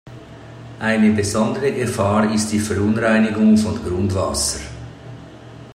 Eine besondere Gefahr ist die Verunreinigung von Grundwasser.